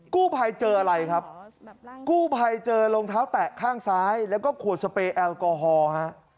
กู้ภัยเจออะไรครับกู้ภัยเจอรองเท้าแตะข้างซ้ายแล้วก็ขวดสเปรแอลกอฮอล์ฮะ